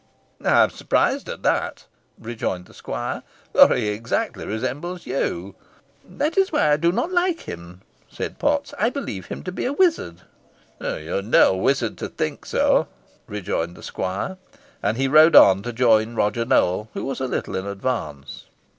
"I am surprised at that," rejoined the squire, "for he exactly resembles you." "That is why I do not like him," said Potts; "I believe him to be a wizard." "You are no wizard to think so," rejoined the squire. And he rode on to join Roger Nowell, who was a little in advance.